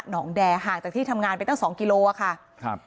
งแดห่างจากที่ทำงานไปตั้งสองกิโลอ่ะค่ะครับ